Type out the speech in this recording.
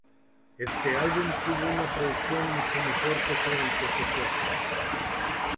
Este álbum tuvo una producción mucho mejor que su antecesor.